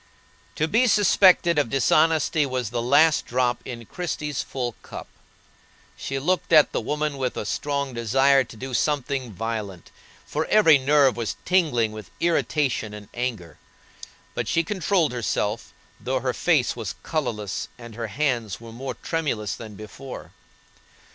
To be suspected of dishonesty was the last drop in Christie's full cup. She looked at the woman with a strong desire to do something violent, for every nerve was tingling with irritation and anger. But she controlled herself, though her face was colorless and her hands were more tremulous than before.